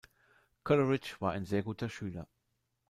Coleridge war ein sehr guter Schüler.